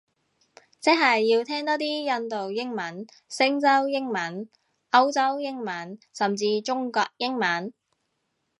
即係要聽多啲印度英文，星洲英文，歐洲英文，甚至中國英文